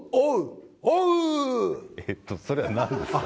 えっとそれはなんですか？